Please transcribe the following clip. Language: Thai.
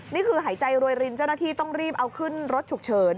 นี่คือหายใจรวยรินเจ้าหน้าที่ต้องรีบเอาขึ้นรถฉุกเฉิน